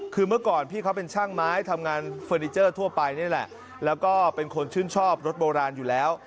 คือเมื่อก่อนพี่เขาเป็นช่างไม้ทำงานเฟอร์นิเจอร์ทั่วไปนี่แหละแล้วก็เป็นคนชื่นชอบรถโบราณอยู่แล้ว